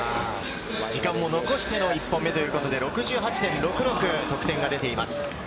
時間も残しての１本目ということで６８．６６、得点が出ています。